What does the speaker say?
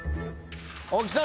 大木さん